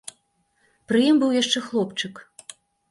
Пры ім быў яшчэ хлопчык.